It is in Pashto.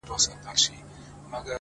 ته لږه ایسته سه چي ما وویني;